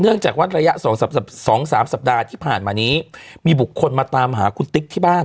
จากว่าระยะ๒๓สัปดาห์ที่ผ่านมานี้มีบุคคลมาตามหาคุณติ๊กที่บ้าน